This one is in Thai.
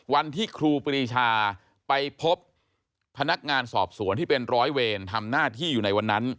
ครูปรีชาไปพบพนักงานสอบสวนที่เป็นร้อยเวรทำหน้าที่อยู่ในวันนั้น